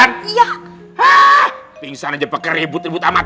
ping pingsan aja pake rebut rebut amat